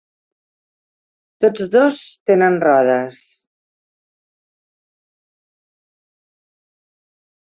Tots dos tenen rodes.